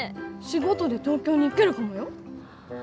仕事で東京に行けるかもよ？